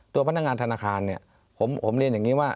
ตัวพนักงานธนาคารเนี่ยผมเรียนอย่างนี้ว่า